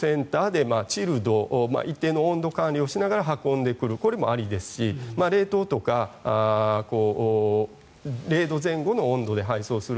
センターでチルド一定の温度管理をしながら運んでくるのもありですし冷凍とか０度前後の温度で配送する。